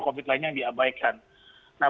covid lainnya yang diabaikan nah